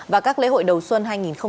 và các lễ hội đầu xuân hai nghìn hai mươi